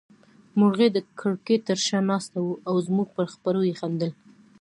مرغۍ د کړکۍ تر شا ناسته وه او زموږ په خبرو يې خندل.